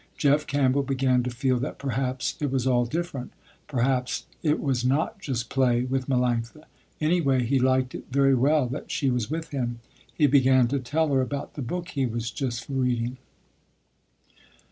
Jeff Campbell began to feel that perhaps it was all different. Perhaps it was not just play, with Melanctha. Anyway he liked it very well that she was with him. He began to tell her about the book he was just reading.